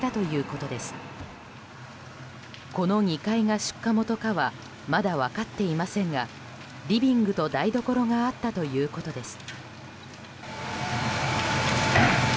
この２階が出火もとかはまだ分かっていませんがリビングと台所があったということです。